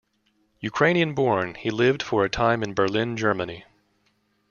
Ukrainian-born, he lived for a time in Berlin, Germany.